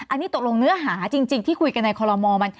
อันนี้ตกลงเนื้อหาจริงที่คุยกันในคอลโลมอลมัน